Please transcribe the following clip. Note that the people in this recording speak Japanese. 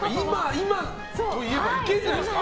今といえばいけるんじゃないですか。